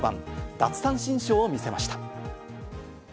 奪三振ショーを見せました。